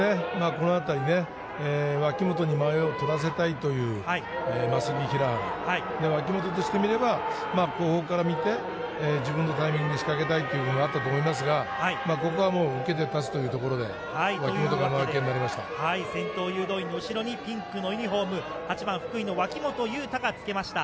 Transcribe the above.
このあたりね、脇本に前を取らせたいという、脇本としてみれば、後方から見て、自分のタイミングで仕掛けたいってあったと思いますが、ここはもう受けて立つというところで、先頭誘導員の後ろにピンクのユニホーム、８番福井の脇本雄太がつけました。